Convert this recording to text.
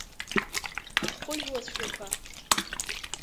Ахәыжәлацәгьақәа!